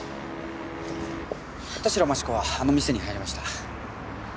田代万智子はあの店に入りました。